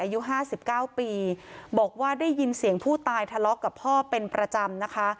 อายุ๕๙ปีบอกว่าได้ยินเสียงผู้ตายทะเลาะกับพ่อเป็นประจำนะคะ